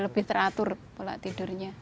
lebih teratur pola tidurnya